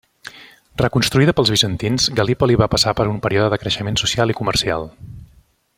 Reconstruïda pels bizantins, Gallipoli va passar per un període de creixement social i comercial.